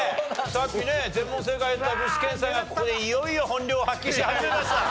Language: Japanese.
さっきね全問正解だった具志堅さんがここでいよいよ本領発揮し始めました。